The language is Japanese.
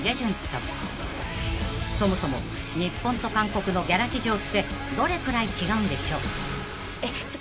［そもそも日本と韓国のギャラ事情ってどれくらい違うんでしょう？］